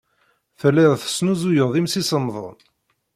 Tellid tesnuzuyed imsisemḍen.